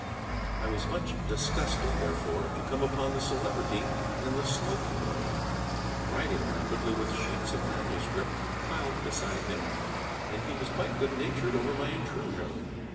I was much disgusted, therefore, to come upon the Celebrity in the smoking room, writing rapidly, with, sheets of manuscript piled beside him. And he was quite good natured over my intrusion.